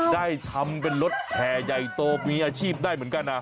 ได้ทำเป็นรถแห่ใหญ่โตมีอาชีพได้เหมือนกันนะ